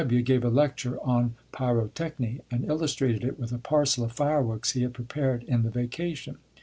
W. gave a lecture on Pyrotechny, and illustrated it with a parcel of fireworks he had prepared in the vacation.